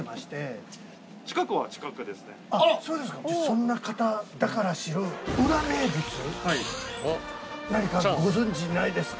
そんな方だから知る裏名物何かご存じないですか？